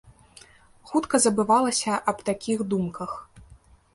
Хутка забывалася аб такіх думках.